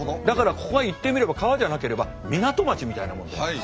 だからここが言ってみれば川じゃなければ港町みたいなもんで。